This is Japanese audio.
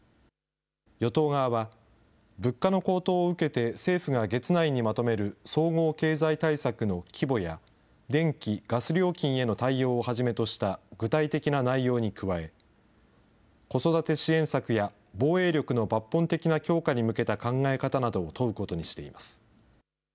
与党側は、物価の高騰を受けて政府が月内にまとめる総合経済対策の規模や、電気、ガス料金への対応をはじめとした具体的な内容に加え、子育て支援策や、防衛力の抜本的な強化に向けた考え方などを問うことにしています。